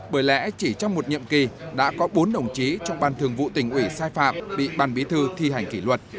bởi lẽ chỉ trong một nhiệm kỳ đã có bốn đồng chí trong ban thường vụ tỉnh ủy sai phạm bị ban bí thư thi hành kỷ luật